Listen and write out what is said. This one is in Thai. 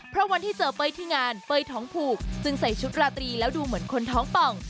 เพราะวันที่เจอเป้ยที่งานเป้ยท้องผูกจึงใส่ชุดราตรีแล้วดูเหมือนคนท้องป่อง